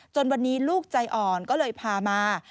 วันนี้ลูกใจอ่อนก็เลยพามา